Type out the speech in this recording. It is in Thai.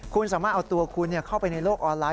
คุณสามารถเอาตัวคุณเข้าไปในโลกออนไลน